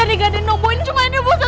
ibu mau ke